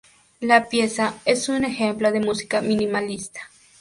La pieza es un ejemplo de música minimalista.